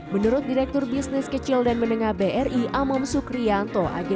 menurut direktur bisnis kecil dan menengah bri amom sukrianto